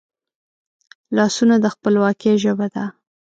لاسونه د خپلواکي ژبه ده